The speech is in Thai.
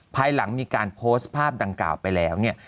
ภายหลังมีการโพสต์ภาพดังกล่าวไปแล้วเนี่ย